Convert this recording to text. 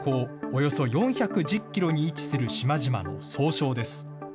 およそ４１０キロに位置する島々の総称です。